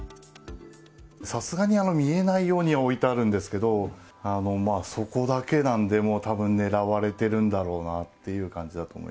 さすがに見えないようには置いてあるんですけど、そこだけなんで、もうたぶん狙われてるんだろうなっていう感じだと思う。